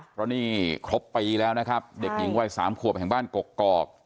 เพราะนี่ครบปีละครับเด็กอ่ิงวัย๓ขวบแห่งบ้านเกาะเกาะ